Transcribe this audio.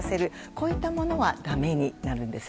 こういうことはだめになるんです。